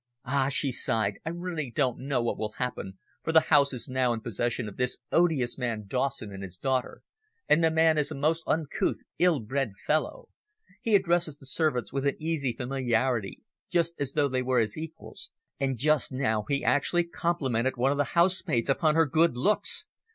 "Ah!" she sighed, "I really don't know what will happen, for the house is now in possession of this odious man Dawson and his daughter, and the man is a most uncouth, ill bred fellow. He addresses the servants with an easy familiarity, just as though they were his equals; and just now, he actually complimented one of the housemaids upon her good looks!